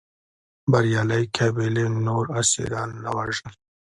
بریالۍ قبیلې نور اسیران نه وژل.